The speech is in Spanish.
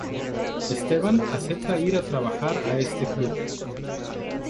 Esteban acepta ir a trabajar a este club..